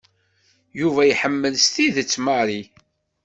Yuba iḥemmel s tidet Mary.